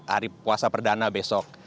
hari puasa perdana besok